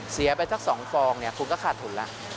เสียไปสัก๒ฟองเนี่ยคุณก็ขาดทุนแล้ว